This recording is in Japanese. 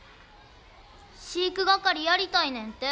飼育係やりたいねんて。